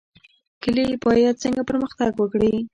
کلي باید څنګه پرمختګ وکړي؟